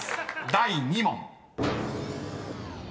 第２問］